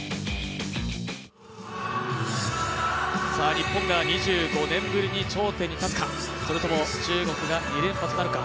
日本が２５年ぶりに頂点に立つか、それとも中国が２連覇となるか。